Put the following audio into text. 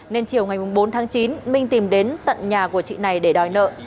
nên chiều ngày bốn tháng chín minh tìm đến tận nhà của chị này để đòi nợ